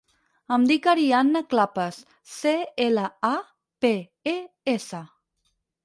Em dic Arianna Clapes: ce, ela, a, pe, e, essa.